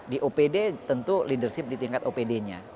di opd tentu leadership di tingkat opd nya